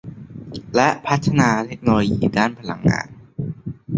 และพัฒนาเทคโนโลยีด้านพลังงาน